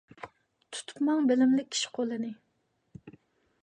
تۇتۇپ ماڭ بىلىملىك كىشى قولىنى.